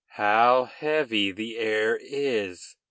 "How heavy the air is!"